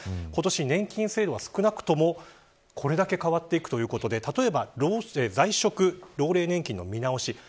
今年、年金制度が少なくともこれだけ変わっていくということで、例えば在職老齢年金の見直し。